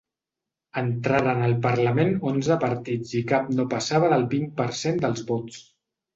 Entraren al parlament onze partits i cap no passava del vint per cent dels vots.